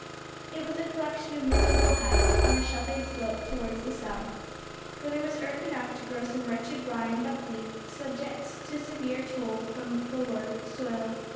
It was a collection of miserable huts, on a sheltered slope towards the south, where there was earth enough to grow some wretched rye and buckwheat, subject to severe toll from the lord of the soil.